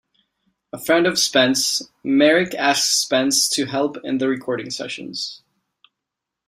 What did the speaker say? A friend of Spence, Merrick asked Spence to help in the recording sessions.